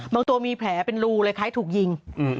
ตัวมีแผลเป็นรูเลยคล้ายถูกยิง